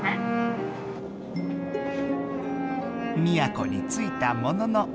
宮古についたものの。